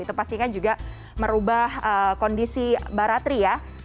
itu pastinya juga merubah kondisi mbak ratri ya